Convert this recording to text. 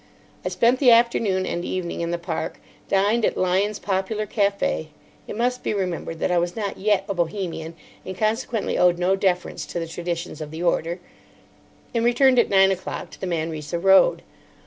I spent the afternoon and evening in the Park, dined at Lyons' Popular Café (it must be remembered that I was not yet a Bohemian, and consequently owed no deference to the traditions of the order); and returned at nine o'clock to the Manresa Road.